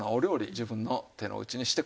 自分の手の内にしてください。